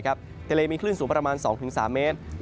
ทะเลมีคลื่นสูงประมาณ๒๓เมตร